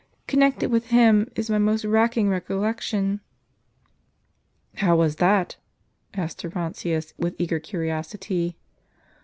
Connected with him, is my most racking recollection." "How was that?" asked Orontius, with eager curiosity.